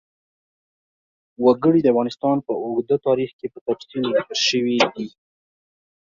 وګړي د افغانستان په اوږده تاریخ کې په تفصیل ذکر شوی دی.